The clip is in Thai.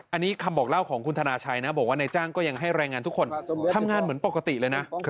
อันนี้คำบอกเล่าของคุณธนาชัยนะบอกว่านายจ้างก็ยังให้แรงงานทุกคนทำงานเหมือนปกติเลยนะ